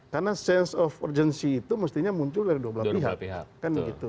karena sense of urgency itu mestinya muncul dari dua belah pihak kan gitu